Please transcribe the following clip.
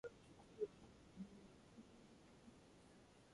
No defending aircraft were able to launch.